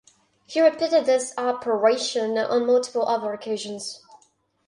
He repeated this "operation" on multiple other occasions.